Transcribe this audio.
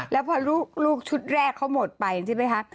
แล้วพอลูกชุดแรกเขาหมดไปใช่ไหมคะ